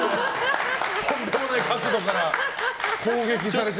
とんでもない角度から攻撃された。